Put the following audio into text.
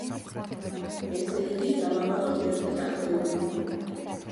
ესე იგი, დავამატოთ ერთი ათეული.